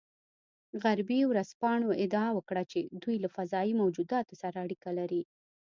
غربي ورځپاڼو ادعا وکړه چې دوی له فضايي موجوداتو سره اړیکه لري